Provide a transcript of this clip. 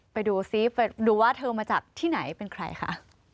ไปดูซิดูว่าเธอมาจากที่ไหนเป็นใครคะ